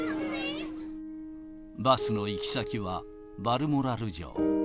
バスの行き先はバルモラル城。